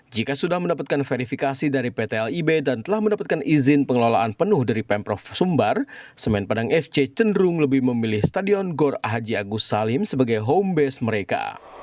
jika sudah mendapatkan verifikasi dari pt lib dan telah mendapatkan izin pengelolaan penuh dari pemprov sumbar semen padang fc cenderung lebih memilih stadion gor haji agus salim sebagai home base mereka